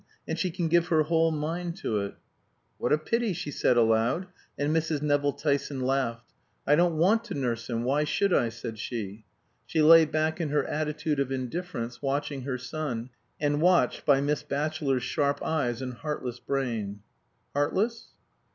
And she can give her whole mind to it." "What a pity," she said aloud, and Mrs. Nevill Tyson laughed. "I don't want to nurse him; why should I?" said she. She lay back in her attitude of indifference, watching her son, and watched by Miss Batchelor's sharp eyes and heartless brain. Heartless?